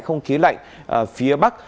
không khí lạnh phía bắc